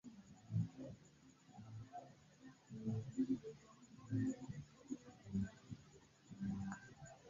Ili vendas armilojn kaj teknologiojn, al la fanatikuloj, por gajni monon, monon, monon.